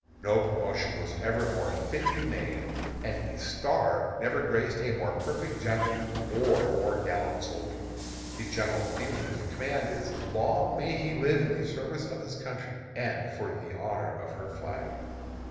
No promotion was ever more fitly made, and the "star" never graced a more perfect gentleman or more gallant soldier. The general feeling in the command is, long may he live in the service of his country and for the honor of her flag.